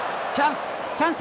チャンス！